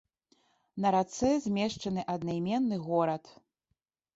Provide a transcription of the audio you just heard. На рацэ змешчаны аднайменны горад.